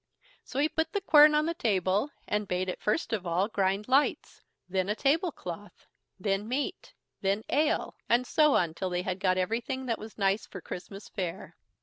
So he put the quern on the table, and bade it first of all grind lights, then a table cloth, then meat, then ale, and so on till they had got everything that was nice for Christmas fare.